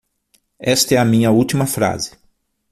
Esta é minha última frase